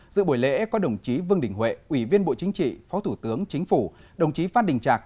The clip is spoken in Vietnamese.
giữa buổi lễ có đồng chí vương đình huệ ủy viên bộ chính trị phó thủ tướng chính phủ đồng chí phát đình trạc